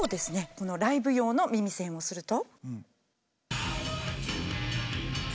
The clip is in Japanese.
このライブ用の耳栓をすると。